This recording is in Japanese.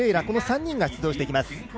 この３人が出場していきます。